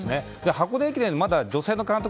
箱根駅伝、まだ女性の監督